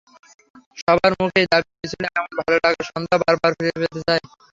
সবার মুখেই দাবি ছিল এমন ভালো লাগার সন্ধ্যা বারবার ফিরে পেতে চাই।